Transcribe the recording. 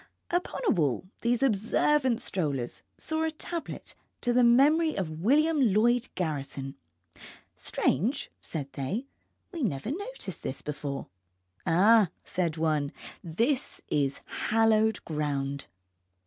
_). Upon a wall these observant strollers saw a tablet to the memory of William Lloyd Garrison. Strange, said they, we never noticed this before. Ah, said one, this is hallowed ground.